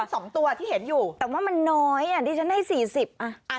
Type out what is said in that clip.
สองตัวที่เห็นอยู่แต่ว่ามันน้อยอ่ะดิฉันให้สี่สิบอ่ะอ่า